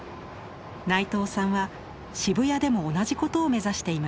内藤さんは渋谷でも同じことを目指しています。